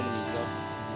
ibu nya menikah